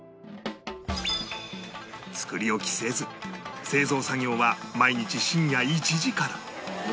作り置きせず製造作業は毎日深夜１時から